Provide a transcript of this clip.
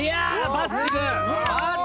バッチグー！